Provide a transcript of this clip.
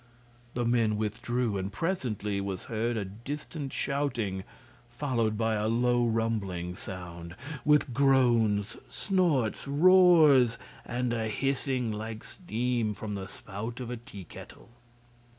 The men withdrew, and presently was heard a distant shouting, followed by a low rumbling sound, with groans, snorts, roars and a hissing like steam from the spout of a teakettle.